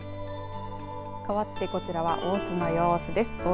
かわってこちらは大津の様子です。